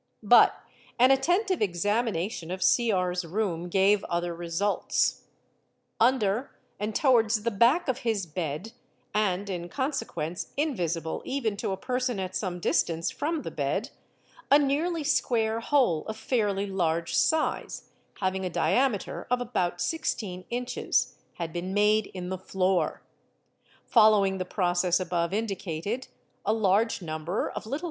But an attentive examination of Cr...'s room gave other results. ' DENK Sa en AT PERS CARRE HHT BIA ACSI) Or Te 732 THEFT Under and towards the back of his bed, and in consequence invisible even to a person at some distance from the bed, a nearly square hole of fairly large size, having a diameter of about 16 ins., had been made in the floor. Following the process above indicated, a large number of little Fig.